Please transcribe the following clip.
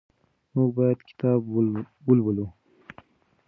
موږ باید کتاب ولولو.